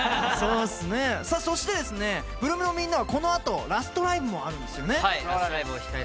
そして、８ＬＯＯＭのみんなはこのあと、ラストライブもあるんだよね。